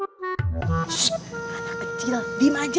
anak kecil diem aja